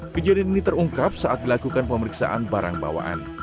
kejadian ini terungkap saat dilakukan pemeriksaan barang bawaan